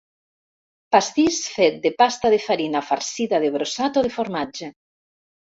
Pastís fet de pasta de farina farcida de brossat o de formatge.